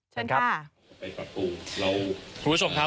เชิญครับค่ะเพิ่งผสมครับ